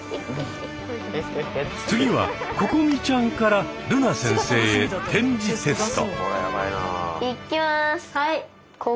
次はここみちゃんからるな先生へ点字テスト。